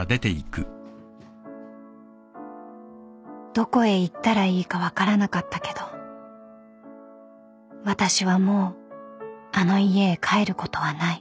［どこへ行ったらいいか分からなかったけど私はもうあの家へ帰ることはない］